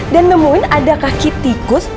dan nemuin ada kaki tikus